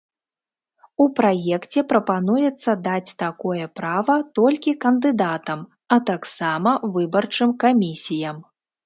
У праекце прапануецца даць такое права толькі кандыдатам, а таксама выбарчым камісіям.